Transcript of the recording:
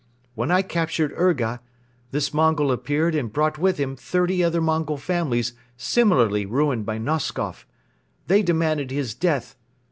When I captured Urga, this Mongol appeared and brought with him thirty other Mongol families similarly ruined by Noskoff. They demanded his death.